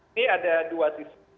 ini ada dua sisi